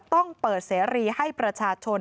ต้องเปิดเสรีให้ประชาชน